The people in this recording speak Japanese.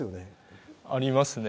ありますね。